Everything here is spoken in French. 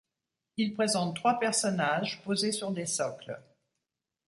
Il présente trois personnages posés sur des socles.